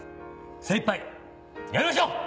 精いっぱいやりましょう！